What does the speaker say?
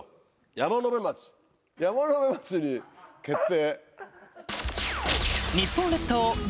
山辺町に決定。